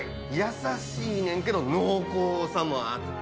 優しいねんけど、濃厚さもあって。